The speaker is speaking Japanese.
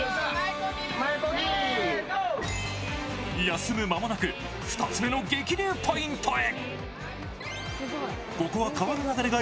休む間もなく２つ目の激流ポイントへ。